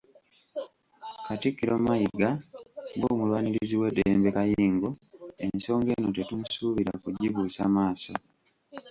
Katikkiro Mayiga ng'omulwanirizi w'eddembe kayingo, ensonga eno tetumusuubira kugibuusa maaso.